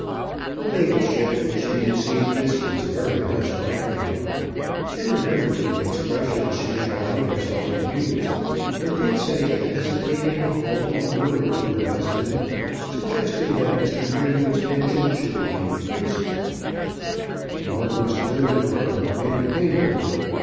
Her ladyship when she received this was very much frightened. She remembered the expressions she had allowed herself to use, and did say a hesitating, halting word to her husband, suggesting that Mr. Greenwood's pension should be increased. The Marquis turned upon her in anger.